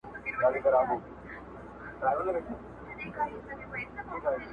ملا سړی سو اوس پر لاره د آدم راغی,,